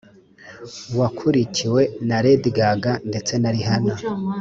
wakurikiwe na Lady Gaga ndetse na Rihanna